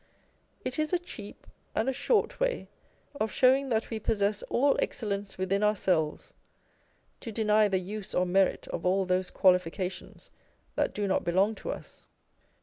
It is a cheap and a short way of showing that we possess all excellence within ourselves, to deny the use or merit of all those qualifications that do not belong to us.